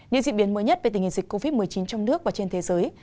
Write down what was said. những diễn biến mới nhất về tình hình dịch covid một mươi chín trong nước và trên thế giới